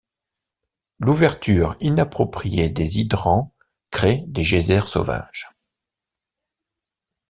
L'ouverture inappropriée des hydrants crée des geysers sauvages.